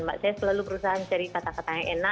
saya selalu berusaha untuk mencari kata kata yang enak